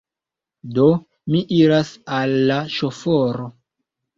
Do, mi iras al la ŝoforo.